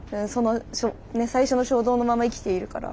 最初の衝動のまま生きているから。